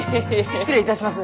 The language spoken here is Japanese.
失礼いたします。